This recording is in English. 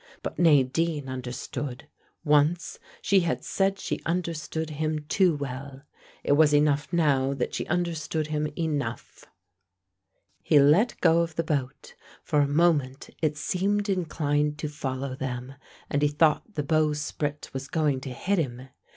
But Nadine understood: once she had said she understood him too well. It was enough now that she understood him enough. He let go of the boat. For a moment it seemed inclined to follow them, and he thought the bowsprit was going to hit him.